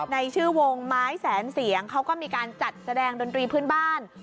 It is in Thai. ในชื่อวงไม้แสนเสียงเขาก็มีการจัดแสดงดนตรีพื้นบ้าน